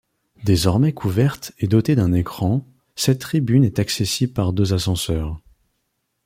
Désormais couverte et dotée d’un écran, cette tribune est accessible par deux ascenseurs.